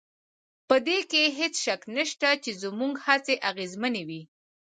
په دې کې هېڅ شک نشته چې زموږ هڅې اغېزمنې وې